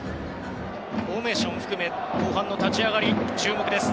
フォーメーション含め後半の立ち上がり、注目です。